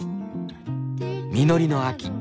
実りの秋。